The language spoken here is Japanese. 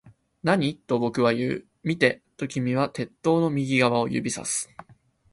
何？と僕は言う。見て、と君は鉄塔の右側を指差す